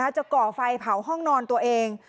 ก่อไฟเผาห้องนอนตัวเอง